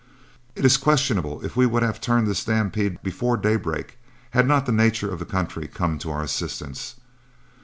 It is questionable if we would have turned this stampede before daybreak, had not the nature of the country come to our assistance.